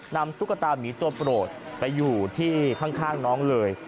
ตุ๊กตามีตัวโปรดไปอยู่ที่ข้างน้องเลย